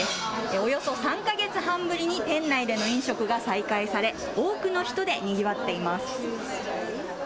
およそ３か月半ぶりに店内での営業が再開され多くの人でにぎわっています。